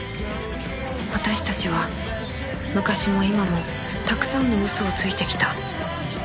私たちは昔も今もたくさんの嘘をついてきた